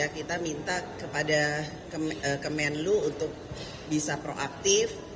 kita minta kepada kemenlu untuk bisa proaktif